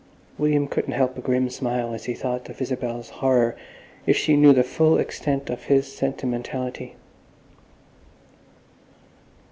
William couldn't help a grim smile as he thought of Isabel's horror if she knew the full extent of his sentimentality.